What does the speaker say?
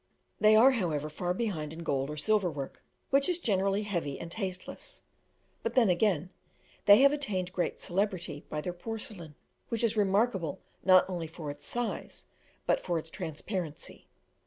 They are, however, far behind hand in gold or silver work, which is generally heavy and tasteless; but then again, they have attained great celebrity by their porcelain, which is remarkable not only for its size, but for its transparency.